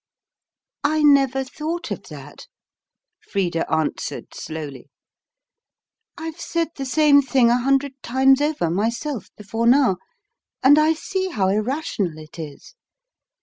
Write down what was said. "I never thought of that," Frida answered slowly. "I've said the same thing a hundred times over myself before now; and I see how irrational it is.